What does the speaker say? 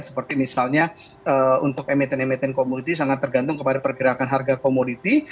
seperti misalnya untuk emiten emiten komoditi sangat tergantung kepada pergerakan harga komoditi